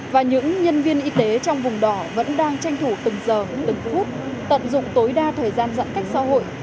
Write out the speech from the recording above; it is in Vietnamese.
và những nhân viên y tế trong vùng đỏ vẫn đang tranh thủ từng giờ từng phút tận dụng tối đa thời gian giãn cách xã hội